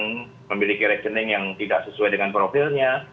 yang memiliki rekening yang tidak sesuai dengan profilnya